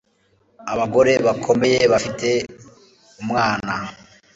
Abagore bakomeye bafite umwana